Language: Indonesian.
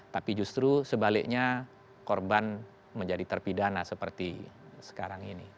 tapi justru sebaliknya korban menjadi terpidana seperti sekarang ini